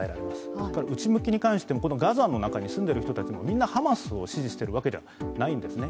それから内向きに関してもガザの中に住んでる人たちもハマスを支持してる人たちばかりじゃないんですね。